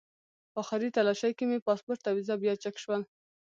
په آخري تالاشۍ کې مې پاسپورټ او ویزه بیا چک شول.